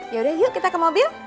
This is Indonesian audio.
yaudah yuk kita ke mobil